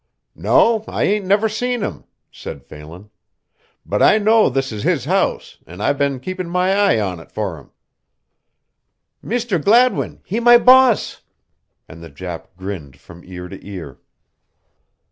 "No, I ain't never seen him," said Phelan, "but I know this is his house an' I been keepin' my eye on it fer him." "Mr. Gladwin he my boss!" and the Jap grinned from ear to ear.